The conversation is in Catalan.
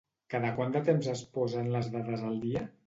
Cada quant de temps es posen les dades al dia?